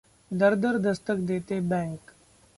दर-दर दस्तक देते बैंक